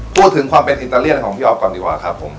พูดถึงความเป็นอิตาเลียนของพี่อ๊อฟก่อนดีกว่าครับผม